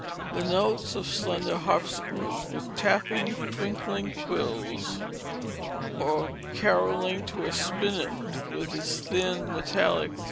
"The notes of slender harpsichords with tapping, twinkling quills, Or carrolling to a spinet with its thin, metallic thrills."